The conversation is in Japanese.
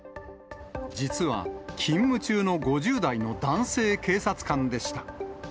実は、勤務中の５０代の男性警察官でした。